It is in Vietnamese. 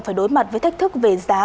phải đối mặt với thách thức về giá